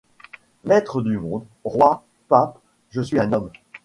Maîtres du monde, rois, papes, je suis un homme.